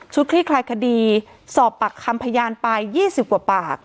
ชุดที่คลายคดีสอบปากคำพยาญไปยี่สิบกว่าปาก